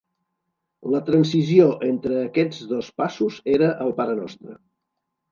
La transició entre aquests dos passos era el Parenostre.